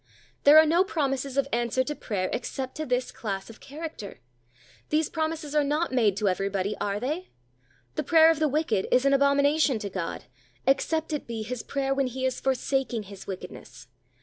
There are no promises of answer to prayer, except to this class of character. These promises are not made to everybody, are they? The prayer of the wicked is an abomination to God, except it be his prayer when he is forsaking his wickedness.